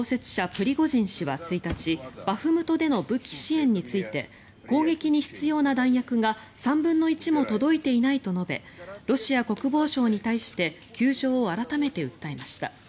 プリゴジン氏は１日バフムトでの武器支援について攻撃に必要な弾薬が３分の１も届いていないと述べロシア国防省に対して窮状を改めて訴えました。